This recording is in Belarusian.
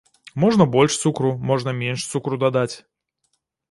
Можна больш цукру, можна менш цукру дадаць.